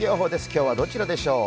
今日はどちらでしょう？